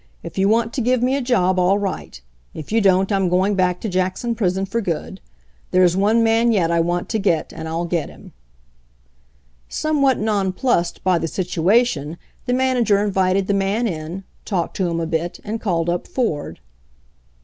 If you want to give me a job, all right. If you don't I'm going back to Jackson prison for good. There's one man yet I want to get, and I'll get him." Somewhat nonplussed by the situation the man ager invited the man in, talked to him a bit, and ' called up Ford.